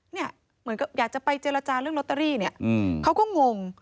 เหมือนกับอยากจะไปเจรจาเรื่องลอตเตอรี่เนี่ยเขาก็งง